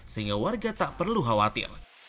sehingga warga tak perlu khawatir